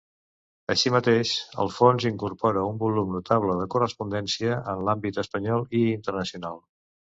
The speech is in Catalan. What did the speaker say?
Així mateix, el fons incorpora un volum notable de correspondència en l'àmbit espanyol i internacional.